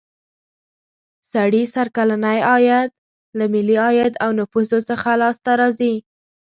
سړي سر کلنی عاید له ملي عاید او نفوسو څخه لاس ته راځي.